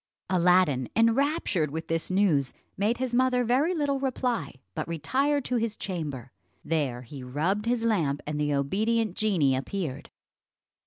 Aladdin, enraptured with this news, made his mother very little reply, but retired to his chamber. There he rubbed his lamp, and the obedient genie appeared.